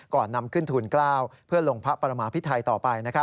ก่อนนำขึ้นทูล๙เพื่อลงพระประมาพิไทยต่อไป